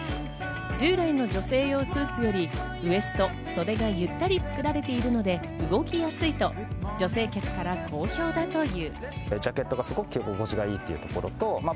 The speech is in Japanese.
従来の女性用スーツよりウエスト、袖がゆったり作られているので、動きやすいと女性客から好評だという。